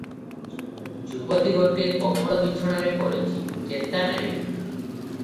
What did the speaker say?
ଯୁବତୀ ଗୋଟିଏ କୋମଳ ବିଛଣାରେ ପଡ଼ିଛି, ଚେତା ନାହିଁ ।